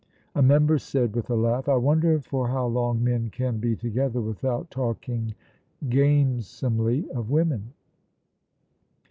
A member said, with a laugh, 'I wonder for how long men can be together without talking gamesomely of women?'